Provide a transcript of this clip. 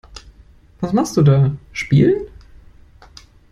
Was machst du da? Spielen.